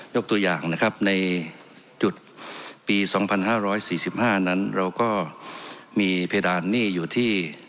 ยกตัวอย่างนะครับในจุดปี๒๕๔๕นั้นเราก็มีเพดานหนี้อยู่ที่